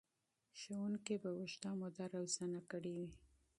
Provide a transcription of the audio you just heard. ښوونکي به اوږده موده روزنه کړې وي.